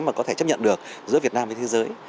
mà có thể chấp nhận được giữa việt nam với thế giới